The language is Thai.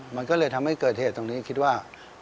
มันก็เลยทำให้เกิดเหตุตรงนี้คิดว่า